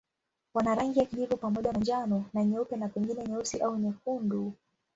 Wana rangi ya kijivu pamoja na njano na nyeupe na pengine nyeusi au nyekundu.